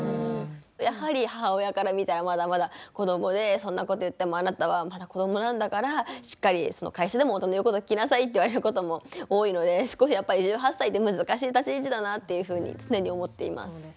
やはり母親から見たらまだまだ子どもで「そんなこと言ってもあなたはまだ子どもなんだからしっかり会社でも大人の言うこと聞きなさい」って言われることも多いのでやっぱり１８歳って難しい立ち位置だなっていうふうに常に思っています。